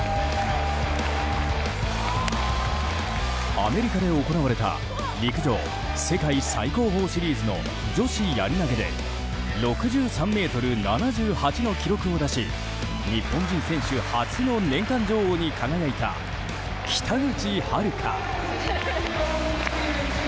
アメリカで行われた陸上・世界最高峰シリーズの女子やり投げで６３ｍ７８の記録を出し日本人選手初の年間女王に輝いた北口榛花。